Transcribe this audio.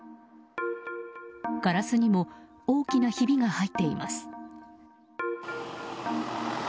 ガラスにも大きなひびが入っています。